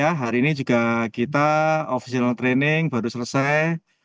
ya hari ini juga kita official training baru selesai